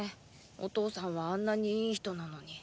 お父さんはあんなにいい人なのに。